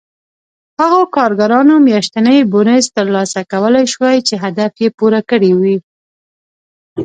هغو کارګرانو میاشتنی بونېس ترلاسه کولای شوای چې هدف یې پوره کړی و